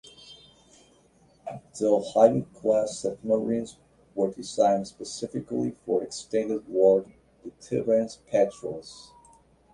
The "Ohio"-class submarines were designed specifically for extended war-deterrence patrols.